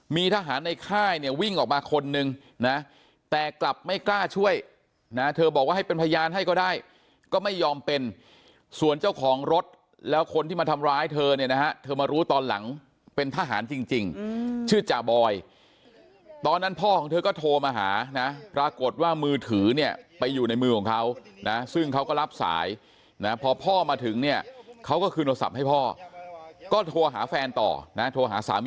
มีทหารในค่ายเนี่ยวิ่งออกมาคนนึงนะแต่กลับไม่กล้าช่วยนะเธอบอกว่าให้เป็นพยานให้ก็ได้ก็ไม่ยอมเป็นส่วนเจ้าของรถแล้วคนที่มาทำร้ายเธอเนี่ยนะฮะเธอมารู้ตอนหลังเป็นทหารจริงชื่อจ่าบอยตอนนั้นพ่อของเธอก็โทรมาหานะปรากฏว่ามือถือเนี่ยไปอยู่ในมือของเขานะซึ่งเขาก็รับสายนะพอพ่อมาถึงเนี่ยเขาก็คืนโทรศัพท์ให้พ่อก็โทรหาแฟนต่อนะโทรหาสามี